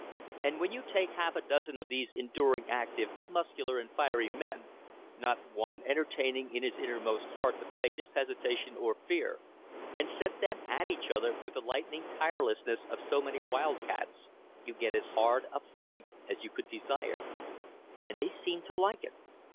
And when you take a half dozen of these enduring, active, muscular, and fiery men, not one entertaining in his innermost heart the faintest hesitation or fear, and set them at each other with the lightning tirelessness of so many wild cats, you get as hard a fight as you could desire. And they seem to like it.